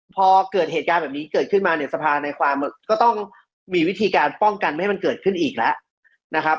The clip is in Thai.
พอเกิดเหตุการณ์แบบนี้เกิดขึ้นมาเนี่ยสภาในความก็ต้องมีวิธีการป้องกันไม่ให้มันเกิดขึ้นอีกแล้วนะครับ